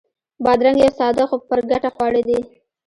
بادرنګ یو ساده خو پُرګټه خواړه دي.